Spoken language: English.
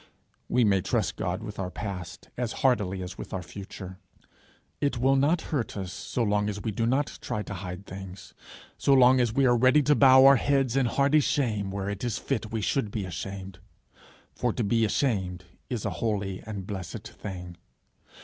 We may trust God with our past as heartily as with our future. It will not hurt us so long as we do not try to hide things, so long as we are ready to bow our heads in hearty shame where it is fit we should be ashamed. For to be ashamed is a holy and blessed thing.